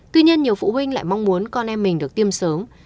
tuy nhiên nhiều phụ huynh lại mong muốn con em mình được tiêm sớm